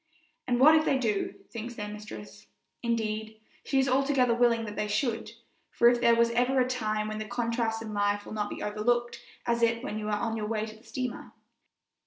And what if they do, thinks their mistress. Indeed, she is altogether willing that they should, for if there is ever a time when the contrasts in life will not be overlooked it is when you are on your way to the steamer.